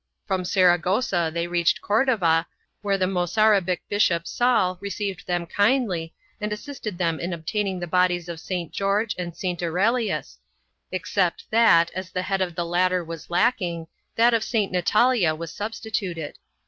From Saragossa they reached Cordova, where the Mozarabic Bishop Saul received them kindly and assisted them in obtaining the bodies of St. George and St. Aurelius, except that, as the head of the latter was lacking, that of St. Natalia was substituted.